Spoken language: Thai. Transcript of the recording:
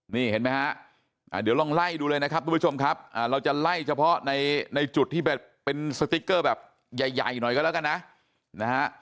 นี่เห็นไหมฮะเดี๋ยวลองไล่ดูเลยนะครับทุกผู้ชมครับเราจะไล่เฉพาะในจุดที่แบบเป็นสติ๊กเกอร์แบบใหญ่หน่อยก็แล้วกันนะนะฮะ